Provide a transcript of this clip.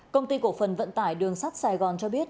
công ty cổ phần vận tải đường sắt sài gòn cho biết